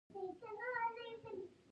د ملا د ډیسک لپاره باید څه وکړم؟